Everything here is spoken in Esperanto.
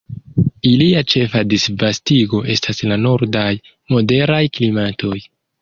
Ilia ĉefa disvastigo estas la nordaj moderaj klimatoj.